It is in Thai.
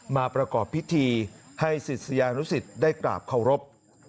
มาประกอบพิธีให้ศิษยานุสิตได้กราบเคารพ